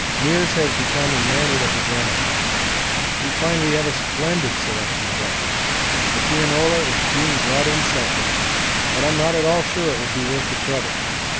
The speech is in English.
Meares has become enamoured of the gramophone. We find we have a splendid selection of records. The pianola is being brought in sections, but I'm not at all sure it will be worth the trouble.